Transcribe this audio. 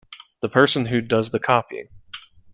The person who does the copying.